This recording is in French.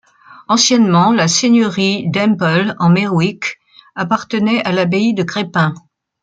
Anciennement, la seigneurie d'Empel en Meerwijk appartenait à l'abbaye de Crespin.